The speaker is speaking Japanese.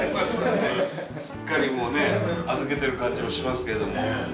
すっかりもうね預けてる感じもしますけれども。